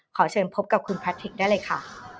ขอเชิญพบกับคุณแพทิกได้เลยค่ะ